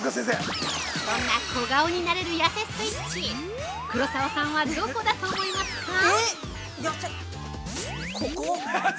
そんな小顔になれるやせスイッチ黒沢さんは、どこだと思いますか？